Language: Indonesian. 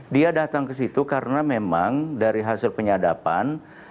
dia datang ke situ karena memang dari hasil penyadapan